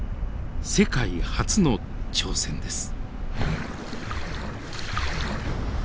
世界初の挑戦です。